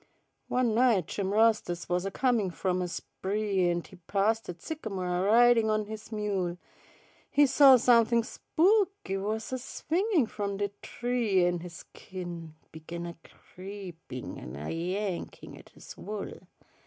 One night Jim Rastus wus a comin' from a spree, An' he passed dat sycamo' a ridin' on his mule, He saw somethin' spooky wus a swingin' from de tree, An' his skin began a creepin' an' a yankin' at his wool.